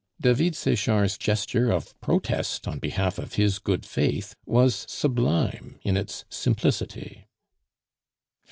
David Sechard's gesture of protest on behalf of his good faith was sublime in its simplicity.